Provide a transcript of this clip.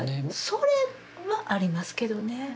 それもありますけどね。